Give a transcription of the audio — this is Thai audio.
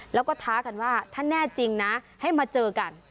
แล้วก็ท้ากันว่าถ้าแน่จริงนะให้มาเจอกัน